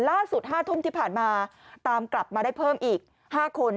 ล่าสุด๕ทุ่มที่ผ่านมาตามกลับมาได้เพิ่มอีก๕คน